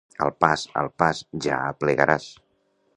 Al pas, al pas, ja aplegaràs.